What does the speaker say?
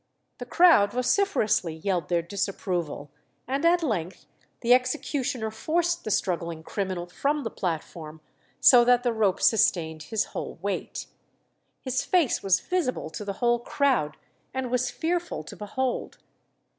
The crowd vociferously yelled their disapproval, and at length the executioner forced the struggling criminal from the platform, so that the rope sustained his whole weight. His face was visible to the whole crowd, and was fearful to behold.